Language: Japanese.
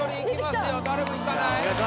誰もいかない？